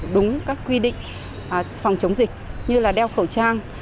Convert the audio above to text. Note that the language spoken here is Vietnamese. đúng các quy định phòng chống dịch như là đeo khẩu trang